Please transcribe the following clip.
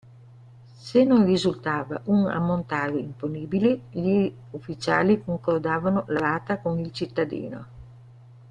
Se non risultava un ammontare imponibile, gli ufficiali concordavano la "rata" con il cittadino.